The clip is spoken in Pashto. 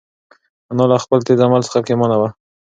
انا له خپل تېز عمل څخه پښېمانه وه.